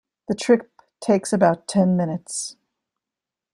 The trip takes about ten minutes.